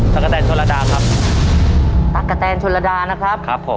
ตะกะแตนชนระดาครับตั๊กกะแตนชนระดานะครับครับผม